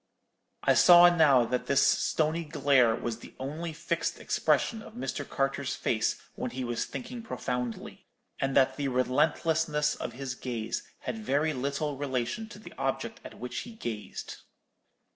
I saw now that this stony glare was only the fixed expression of Mr. Carter's face when he was thinking profoundly, and that the relentlessness of his gaze had very little relation to the object at which he gazed.